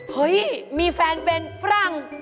เฮ้ยมีแฟนเป็นฝรั่ง